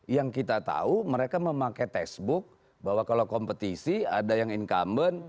yang kita tahu mereka memakai facebook bahwa kalau kompetisi ada yang incumbent